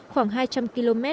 khoảng hai trăm linh km